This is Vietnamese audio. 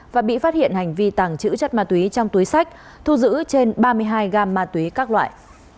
và bị phát hiện hành vi tàng trữ chất ma túy trong túi sách thu giữ trên ba mươi hai gam ma túy các loại